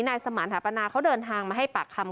นายสมานถาปนาเขาเดินทางมาให้ปากคำ